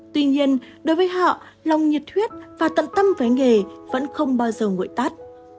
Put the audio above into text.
tuy nhiên đối với họ lòng nhiệt thuyết và tận tâm với nghề vẫn không bao giờ ngội tát